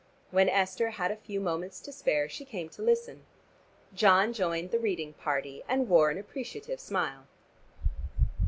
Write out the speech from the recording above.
When Esther had a few moments to spare she came to listen. John joined the reading party, and wore an appreciative smile.